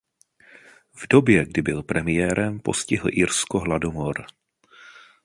V době kdy byl premiérem postihl Irsko hladomor.